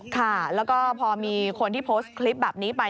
ค่ะแล้วก็พอมีคนที่โพสต์คลิปแบบนี้ไป